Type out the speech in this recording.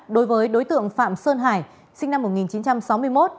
đối với đối tượng phạm sơn hải sinh năm một nghìn chín trăm sáu mươi một